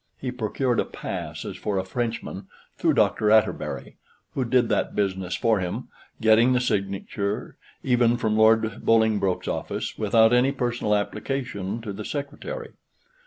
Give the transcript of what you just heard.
He procured a pass as for a Frenchman, through Dr. Atterbury, who did that business for him, getting the signature even from Lord Bolingbroke's office, without any personal application to the Secretary.